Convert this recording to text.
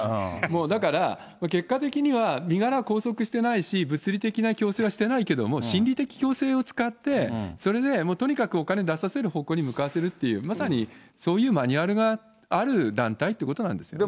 だから結果的には身柄拘束してないし、物理的な強制はしてないけども、心理的強制を使って、それでとにかくお金出させる方向に向かわせるっていう、まさにそういうマニュアルがある団体ってことなんですよね。